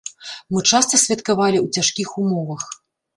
Мы часта святкавалі ў цяжкіх умовах.